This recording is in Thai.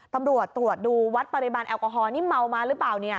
ตำรวจตรวจดูวัดปริมาณแอลกอฮอลนี่เมามาหรือเปล่าเนี่ย